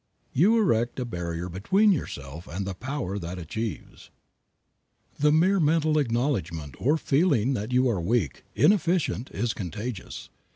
You erect a barrier between yourself and the power that achieves. The mere mental acknowledgment or feeling that you are weak, inefficient, is contagious.